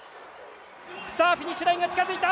さあフィニッシュラインが近づいた！